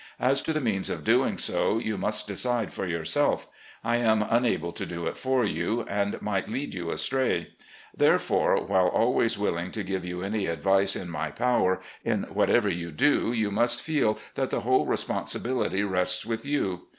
As to the means of doing so, you must decide for yourself. I am unable to do it for you, and might lead you astray. Therefore, while always wilHng to give you any advice in my power, in whatever you do you must feel that the whole responsibility rests with you.